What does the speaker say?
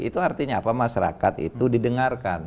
itu artinya apa masyarakat itu didengarkan